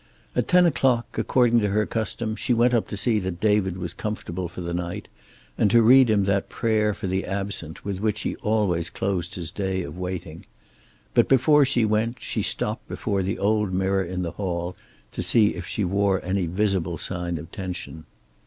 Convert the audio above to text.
At ten o'clock, according to her custom, she went up to see that David was comfortable for the night, and to read him that prayer for the absent with which he always closed his day of waiting. But before she went she stopped before the old mirror in the hall, to see if she wore any visible sign of tension.